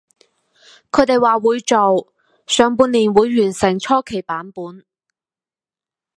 佢哋話會做，上半年會完成初期版本